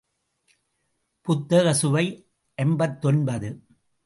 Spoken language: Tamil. புத்தக சுவை ஐம்பத்தொன்பது.